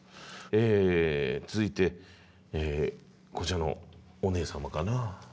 続いてこちらのおねえ様かな。